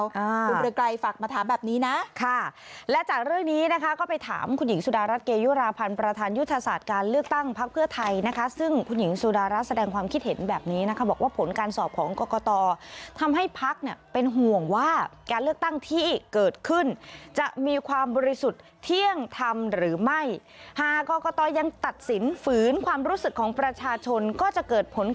คุณเรือไกรฝากมาถามแบบนี้นะค่ะและจากเรื่องนี้นะคะก็ไปถามคุณหญิงสุดารัฐเกยุราพันธ์ประธานยุทธศาสตร์การเลือกตั้งพักเพื่อไทยนะคะซึ่งคุณหญิงสุดารัฐแสดงความคิดเห็นแบบนี้นะคะบอกว่าผลการสอบของกรกตทำให้พักเนี่ยเป็นห่วงว่าการเลือกตั้งที่เกิดขึ้นจะมีความบริสุทธิ์เที่ยงธรรมหรือไม่หากกตยังตัดสินฝืนความรู้สึกของประชาชนก็จะเกิดผล